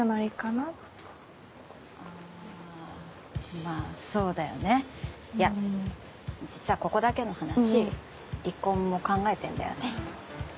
まぁそうだよねいや実はここだけの話離婚も考えてんだよね。